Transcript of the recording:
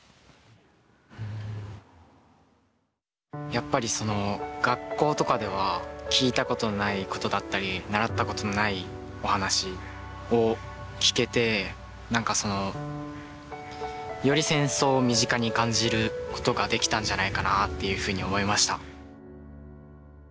やっぱり学校とかでは聞いたことないことだったり習ったことのないお話を聞けて何かより戦争を身近に感じることができたんじゃないかなっていうふうに思いました。